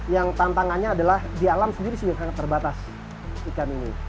yang tantangannya adalah di alam sendiri sudah sangat terbatas ikan ini